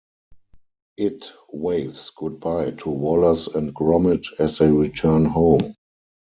It waves goodbye to Wallace and Gromit as they return home.